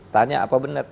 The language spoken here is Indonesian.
tanya apa benar